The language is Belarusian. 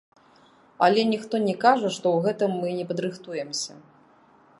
Але ніхто не кажа, што ў гэтым мы не падрыхтуемся.